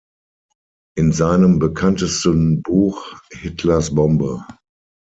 In seinem bekanntesten Buch "Hitlers Bombe.